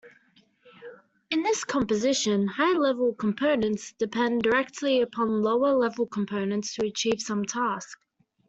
In this composition, higher-level components depend directly upon lower-level components to achieve some task.